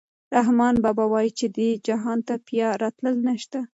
رحمان بابا وايي چې دې جهان ته بیا راتلل نشته.